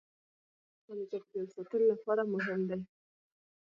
پامیر د افغانستان د چاپیریال ساتنې لپاره مهم دي.